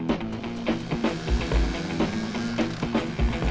bajak yang lagi ngejar motor